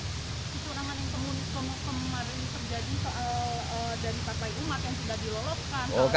kecurangan yang kemarin terjadi dari partai umat